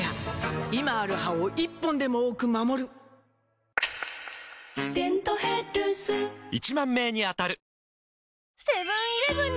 今ある歯を１本でも多く守る「デントヘルス」１０，０００名に当たる！